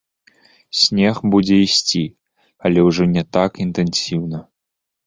Снег будзе ісці, але ўжо не так інтэнсіўна.